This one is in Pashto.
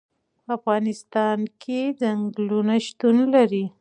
په افغانستان کې چنګلونه شتون لري.